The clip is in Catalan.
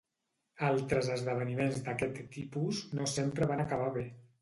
Altres esdeveniments d'aquest tipus no sempre van acabar bé.